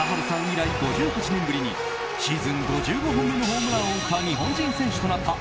以来５８年ぶりにシーズン５５本目のホームランを打った日本人選手となった